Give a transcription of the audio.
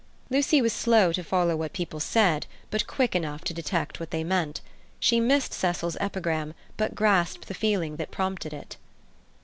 Lucy was slow to follow what people said, but quick enough to detect what they meant. She missed Cecil's epigram, but grasped the feeling that prompted it.